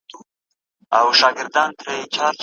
دا احساس ژوندی وساتئ.